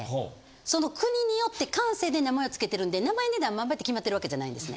その国によって感性で名前を付けてるんで名前に何番って決まってるわけじゃないんですね。